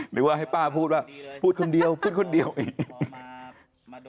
หรือว่าให้ป้าพูดว่าพูดคนเดียวพูดคนเดียวอีก